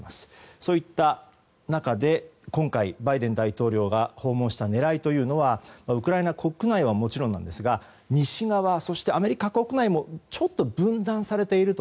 そういった中で今回、バイデン大統領が訪問した狙いというのはウクライナ国内はもちろんですが西側、そしてアメリカ国内もちょっと分断されていると。